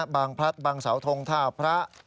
บางพรรดิบางสาวทงธาพระ